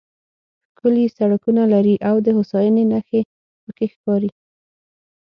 ښکلي سړکونه لري او د هوساینې نښې پکې ښکاري.